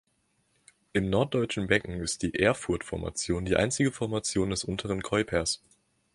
Im Norddeutschen Becken ist die Erfurt-Formation die einzige Formation des Unteren Keupers.